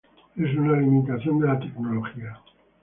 Es una limitación de la tecnología.